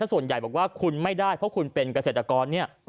ส่วนใหญ่บอกว่าคุณไม่ได้เพราะคุณเป็นเกษตรกรเนี่ย